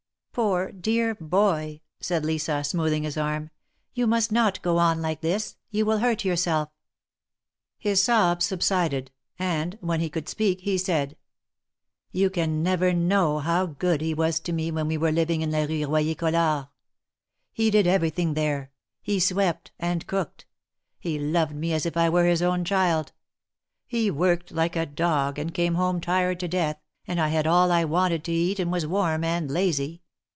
Poor, dear boy !" said Lisa, smoothing his arm, " you must not go on like this; you will hurt yourself." His sobs subsided, and, when he could speak, he said : ''You can never knowhow good he was to me when we were living in la Rue Royer Collard. He did everything there — he swept and cooked. He loved me as if I were his own child. He worked like a dog, and came home tired to death, and I had all I wanted to eat and was warm and lazy.